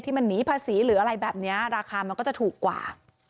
มันหนีภาษีหรืออะไรแบบนี้ราคามันก็จะถูกกว่า